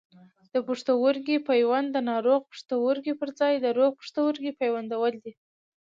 د پښتورګي پیوند د ناروغ پښتورګي پر ځای د روغ پښتورګي پیوندول دي.